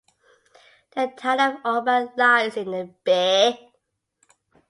The town of Oban lies in the bay.